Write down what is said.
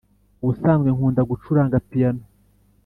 Ubusanzwe nkunda gucuranga piyano